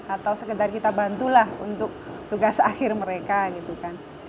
atau sekedar kita bantulah untuk tugas akhir mereka gitu kan